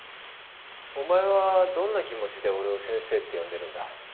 お前はどんな気持ちで俺を先生って呼んでるんだ？